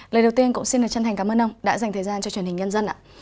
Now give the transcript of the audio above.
lời đầu tiên cũng xin chân thành cảm ơn ông đã dành thời gian cho truyền hình nhân dân